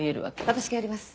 私がやります！